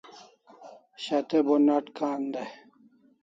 shat'e bo nat kan dai